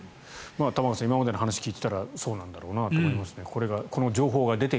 玉川さん、今までの話を聞いていたらそうなのではと思いますね。